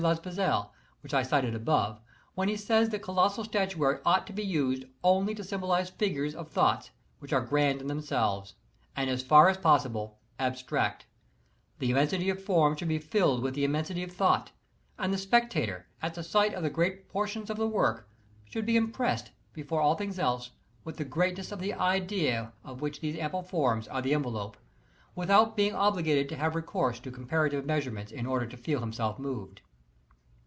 Les bazeilles, which I cited above, when he says that colossal statuary ought to be used only to symbolize figures of thoughts which are grand in themselves, and as far as possible, abstract The immensity of form should be filled 4¬´ with the immensity of thought, and the spectator, at the sight of the great proportions of the work, should be im pressed, before all things else, with the greatness of the idea of which these ample forms are the envelope, without being obliged to have recourse to comparative measure ments in order to feel himself moved.